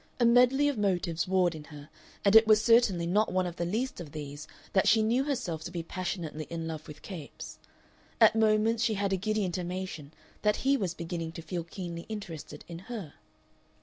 A medley of motives warred in her, and it was certainly not one of the least of these that she knew herself to be passionately in love with Capes; at moments she had a giddy intimation that he was beginning to feel keenly interested in her.